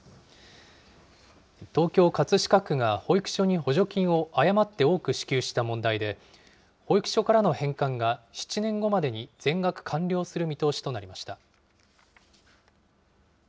東京・葛飾区が保育所に補助金を誤って多く支給した問題で、保育所からの返還が７年後までに全額完了する見通しとなりました。